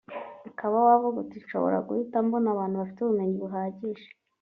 ukaba wavuga uti nshobora guhita mbona abantu bafite ubumenyi buhagije